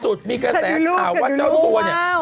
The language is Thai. มีกระแสข่าวว่าเจ้าตัวเนี่ย